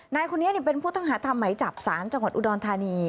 นายคนนี้เป็นผู้ต้องหาทำไหมจับสารจังหวัดอุดรธานี